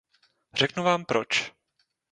Řeknu vám proč.